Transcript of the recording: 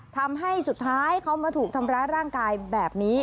ทำให้สุดท้ายเขามาถูกทำร้ายร่างกายแบบนี้